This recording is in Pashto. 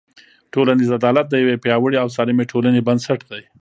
ټولنیز عدالت د یوې پیاوړې او سالمې ټولنې بنسټ دی.